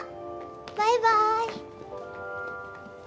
バイバイ。